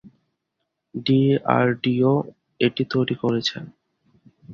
DRDO এটি তৈরি করেছে।